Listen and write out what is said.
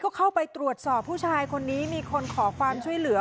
ก็เข้าไปตรวจสอบผู้ชายคนนี้มีคนขอความช่วยเหลือ